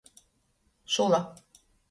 Šula.